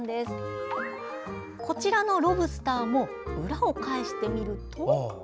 こちらのロブスターも裏を返してみると。